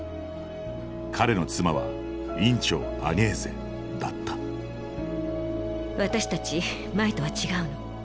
彼の妻は院長アニェーゼだった私たち前とは違うの。